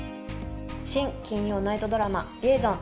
新金曜ナイトドラマ「リエゾン」。